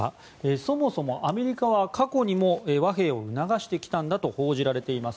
そもそもアメリカは過去にも和平を促してきたんだと報じられています。